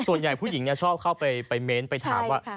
ส่วนใหญ่ผู้หญิงชอบเข้าไปเม้นไปถามว่า